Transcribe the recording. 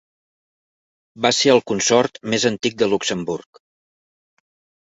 Va ser el consort més antic de Luxemburg.